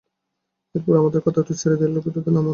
এর পরে আমাদের কথা তো ছেড়েই দে, লোকে তোদেরও নাম করবে।